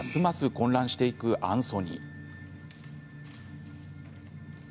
混乱していくアンソニー。